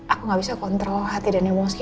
aku gak bisa kontrol hati dan emosi